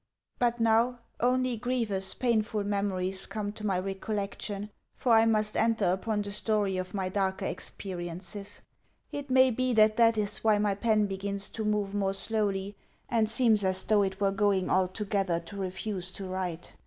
But now only grievous, painful memories come to my recollection, for I must enter upon the story of my darker experiences. It may be that that is why my pen begins to move more slowly, and seems as though it were going altogether to refuse to write.